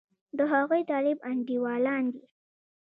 د هغوی طالب انډېوالان دي.